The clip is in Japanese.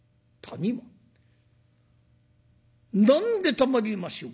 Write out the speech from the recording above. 何でたまりましょう。